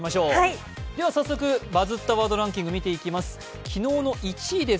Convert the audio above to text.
早速、「バズったワードランキング」見ていきます。